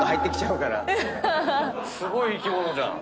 すごい生き物じゃん。